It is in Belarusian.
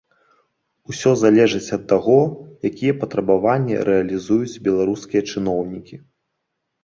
Усё залежыць ад таго, якія патрабаванні рэалізуюць беларускія чыноўнікі.